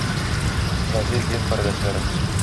Газиз дин кардәшләрем!